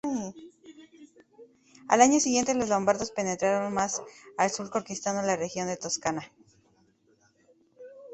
Al año siguiente, los lombardos penetraron más al sur, conquistando la región de Toscana.